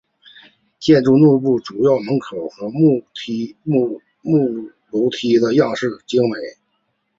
建筑内部主入口门和木楼梯样式精美。